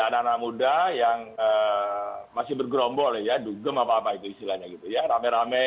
anak anak muda yang masih bergerombol ya dugem apa apa itu istilahnya gitu ya rame rame